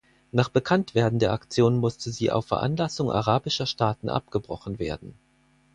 Nach Bekanntwerden der Aktion musste sie auf Veranlassung arabischer Staaten abgebrochen werden.